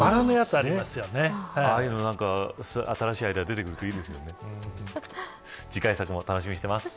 ああいう新しいアイデアが出てくるといいですね。